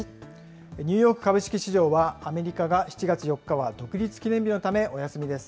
ニューヨーク株式市場は、アメリカが７月４日は独立記念日のためお休みです。